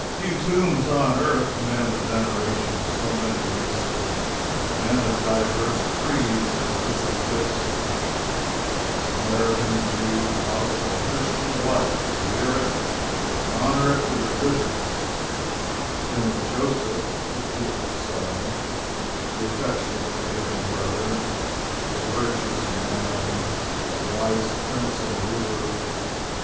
Few tombs on earth command the veneration of so many races and men of divers creeds as this of Joseph. "Samaritan and Jew, Moslem and Christian alike, revere it, and honor it with their visits. The tomb of Joseph, the dutiful son, the affectionate, forgiving brother, the virtuous man, the wise Prince and ruler.